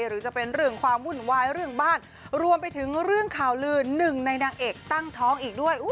หรือจะเป็นเรื่องความวุ่นวายเรื่องบ้านรวมไปถึงเรื่องข่าวลือหนึ่งในนางเอกตั้งท้องอีกด้วย